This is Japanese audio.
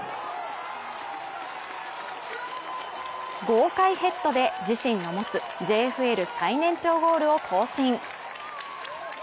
豪快ヘッドで自身の持つＪＦＬ最年長ゴールを更新。